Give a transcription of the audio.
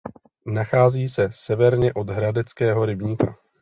Nachází se severně od Hradeckého rybníka.